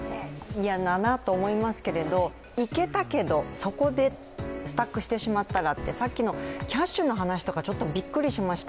嫌だなと思いますけれど行けたけど、そこでスタックしてしまったらって、さっきのキャッシュの話とかびっくりしました。